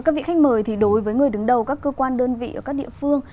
các vị khách mời thì đối với người đứng đầu các cơ quan đơn vị ở các địa phương